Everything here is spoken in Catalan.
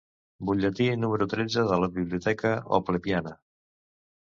Butlletí número tretze de la «Biblioteca Oplepiana».